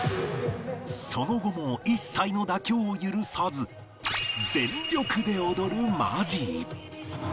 その後も一切の妥協を許さず全力で踊るマジー